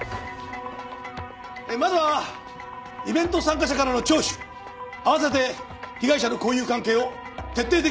まずはイベント参加者からの聴取併せて被害者の交友関係を徹底的に洗う。